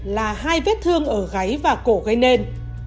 là hai vết thương ở gáy và cổ gây nên